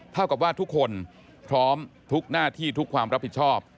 เท่ากับว่าทุกคนพร้อมทุกหน้าที่ทุกความรับผิดชอบ